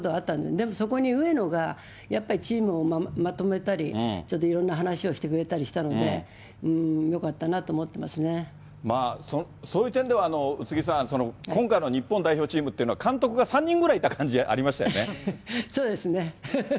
でもそこに上野が、やっぱりチームをまとめたり、ちょっといろんな話をしてくれたりしたので、よかったなと思ってそういう点では、宇津木さん、今回の日本代表チームっていうのは、監督が３人ぐらいいた感じありましたよね？